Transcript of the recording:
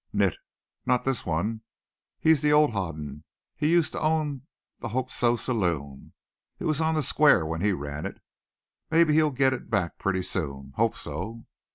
"Nit. Not this one. He's the old Hoden. He used to own the Hope So saloon. It was on the square when he ran it. Maybe he'll get it back pretty soon. Hope so!"